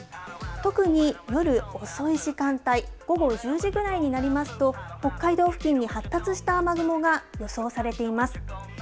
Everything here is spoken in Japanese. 特に夜遅い時間帯、午後１０時ぐらいになりますと、北海道付近に発達した雨雲が予想されています。